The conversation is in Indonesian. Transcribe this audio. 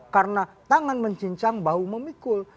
karena tangan mencincang bahu memikul